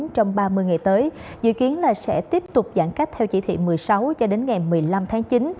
trong ba mươi ngày tới dự kiến sẽ tiếp tục giãn cách theo chỉ thị một mươi sáu cho đến ngày một mươi năm tháng chín